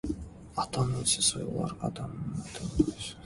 Атан өлсе, сойылар, атам өлсе, қойылар.